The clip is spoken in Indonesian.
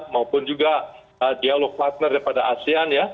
maupun juga dialog partner dari asean